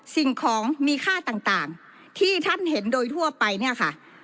สิ่งของมีค่าต่างที่ท่านเห็นโดยทั่วไปเนี่ยค่ะ